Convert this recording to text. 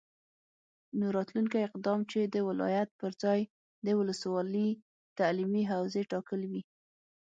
نو راتلونکی اقدام چې د ولایت پرځای د ولسوالي تعلیمي حوزې ټاکل وي،